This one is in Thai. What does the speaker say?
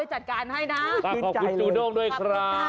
ขอบคุณจูด้งด้วยครับ